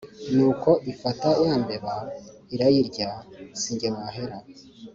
Nuko ifata yambeba irayirya singe wahera